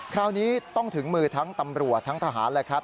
คราวนี้ต้องถึงมือทั้งตำรวจทั้งทหารแหละครับ